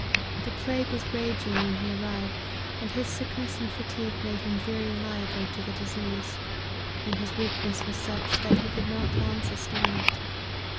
The plague was raging when he arrived, and his sickness and fatigue made him very liable to the disease ; and his weakness was such, that he could not long sustain it.